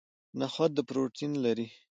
نخود پروتین لري